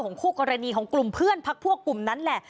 คู่กรณีของกลุ่มเพื่อนพักพวกกลุ่มนั้นแหละ